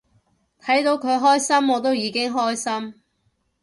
睇到佢開心我都已經開心